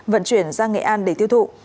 vận chuyển ra nghệ an để tiêu thụ